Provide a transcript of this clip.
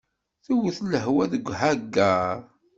Tewwet lehwa deg ahagar?